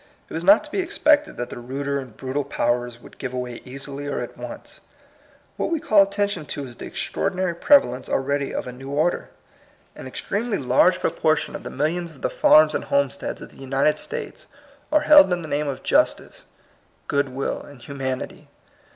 It was not to be expected that the ruder and brutal powers would give way easily or at once. What we call attention to is the extraordinary prevalence already of a new order. An extremely large propor 28 THS COMING PEOPLE, Hon of the millions of the farms and homesteads of the United States are held in the name of justice, good will, and hu manity.